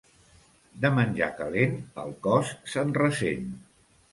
De menjar calent, el cos se'n ressent.